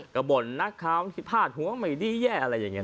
ก็บนนักข่าวพลาสหัวไม่ดีแย่อย่างนี้